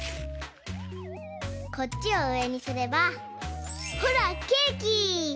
こっちをうえにすればほらケーキ！